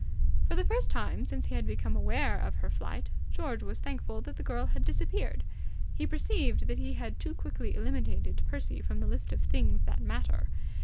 For the first time since he had become aware of her flight, George was thankful that the girl had disappeared. He perceived that he had too quickly eliminated Percy from the list of the Things That Matter.